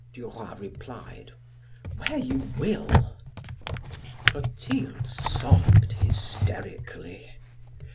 Duroy replied: "Where you will!" Clotilde sobbed hysterically.